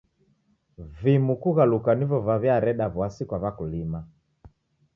Vimu kughaluka nivo vaw'iareda w'asi kwa w'akulima.